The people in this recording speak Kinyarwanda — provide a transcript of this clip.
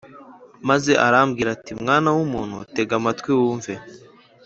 Maze arambwira ati Mwana w umuntu tega amatwi wumve